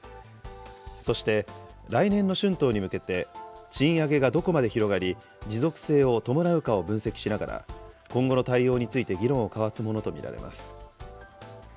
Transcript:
そして来年の春闘に向けて、賃上げがどこまで広がり、持続性を伴うかを分析しながら、今後の対応について議論を交わすものと見られます。